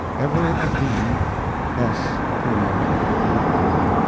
Ever of thee, S. PURMOIL.